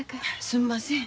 すんません。